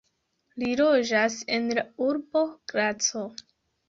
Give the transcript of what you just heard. Li loĝas en la urbo Graco.